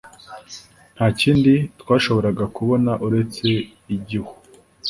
Nta kindi twashoboraga kubona uretse igihu